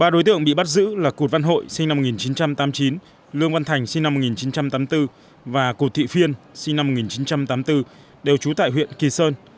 ba đối tượng bị bắt giữ là cụt văn hội sinh năm một nghìn chín trăm tám mươi chín lương văn thành sinh năm một nghìn chín trăm tám mươi bốn và cụt thị phiên sinh năm một nghìn chín trăm tám mươi bốn đều trú tại huyện kỳ sơn